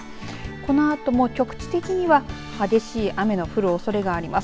このあとも局地的には激しい雨の降るおそれがあります。